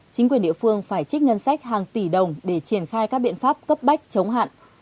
chính quyền địa phương phải trích ngân sách hàng tỷ đồng để triển khai các biện pháp cấp bách chống hạn